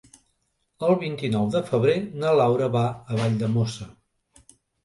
El vint-i-nou de febrer na Laura va a Valldemossa.